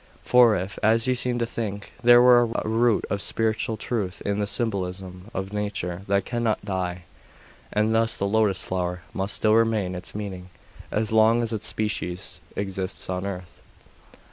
For if, as you seem to think, there were a root of spiritual truth in the symbolism of nature, that cannot die. And thus the lotus flower must still retain its meaning, as long as its species exists on earth.